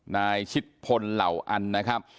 นายชิดพลเหล่าอันนะครับ